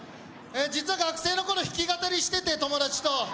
実は学生の頃弾き語りしてて友達と。